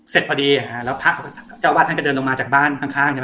เสร็จพอดีแล้วพระเจ้าวาดท่านก็เดินลงมาจากบ้านข้างใช่ไหม